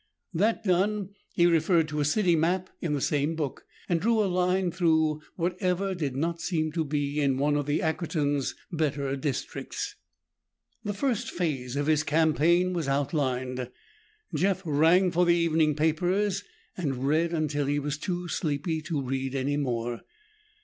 That done, he referred to a city map in the same book and drew a line through whatever did not seem to be in one of Ackerton's better districts. The first phase of his campaign was outlined. Jeff rang for the evening papers and read until he was too sleepy to read any more.